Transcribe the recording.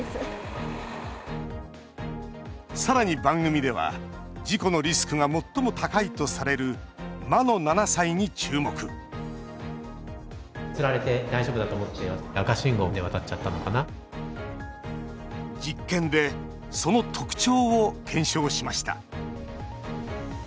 さらに番組では事故のリスクが最も高いとされる「魔の７歳」に注目実験でその特徴を検証しました。